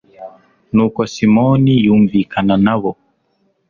nuko simoni yumvikana na bo